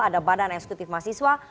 ada badan eksekutif mas iswa